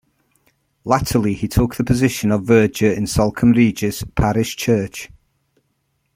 Latterly he took the position of verger in Salcombe Regis parish church.